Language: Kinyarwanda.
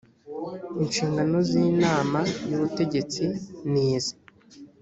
inshingano z inama y ubutegetsi ni izi